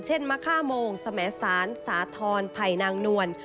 เช่นมะค่าโมงสมแสนสาธรณ์ไผ่นางนวล